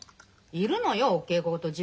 いるのよお稽古事